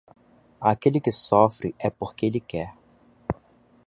Aquele que sofre é porque ele quer.